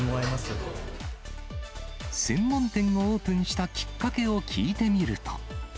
専門店をオープンしたきっかけを聞いてみると。